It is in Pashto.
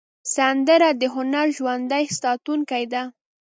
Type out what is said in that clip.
سندره د هنر ژوندي ساتونکی ده